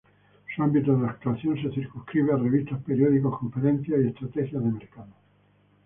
Su ámbito de actuación se circunscribe a revistas, periódicos, conferencias y estrategias de mercados.